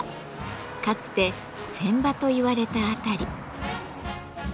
かつて船場といわれた辺り。